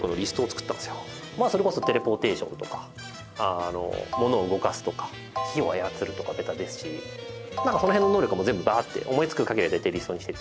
まあそれこそテレポーテーションとかものを動かすとか火を操るとかベタですしなんかその辺の能力はもう全部バーッて思いつく限りは大体リストにしてて。